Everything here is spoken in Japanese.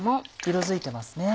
色づいてますね。